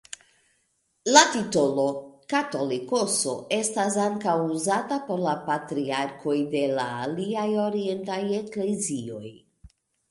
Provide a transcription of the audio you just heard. La titolo «katolikoso» estas ankaŭ uzata por la patriarkoj de la aliaj orientaj eklezioj.